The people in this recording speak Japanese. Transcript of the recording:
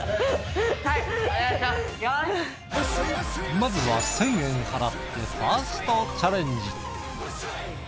まずは１，０００円払ってファーストチャレンジ。